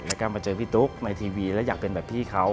แล้วก็มาเจอพี่ตุ๊กในทีวีแล้วอยากเป็นแบบพี่เขา